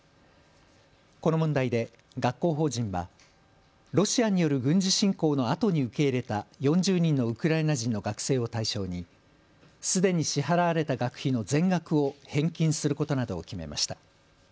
この問題で学校法人はロシアによる軍事侵攻のあとに受け入れた４０人のウクライナ人の学生を対象にすでに支払われた学費の全額を返金することなどを決めました。